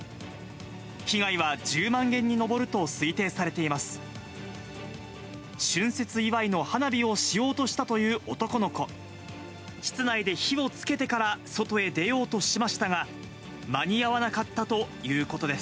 被害は１０万元に上ると推定されています。